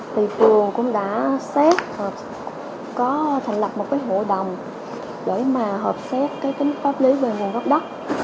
thì phường cũng đã xét hợp có thành lập một cái hội đồng để mà hợp xét cái tính pháp lý về nguồn gốc đất